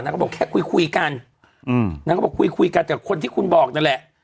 ก็บอกแค่คุยคุยกันนางก็บอกคุยคุยกันกับคนที่คุณบอกนั่นแหละ